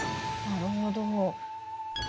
なるほど。